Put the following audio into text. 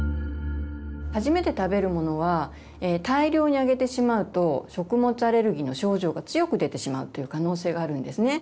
初めて食べるものは大量にあげてしまうと食物アレルギーの症状が強く出てしまうという可能性があるんですね。